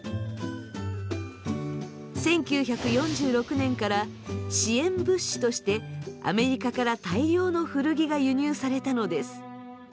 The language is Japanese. １９４６年から支援物資としてアメリカから大量の古着が輸入されたのです。